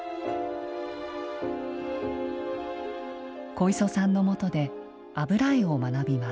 小磯さんのもとで油絵を学びます。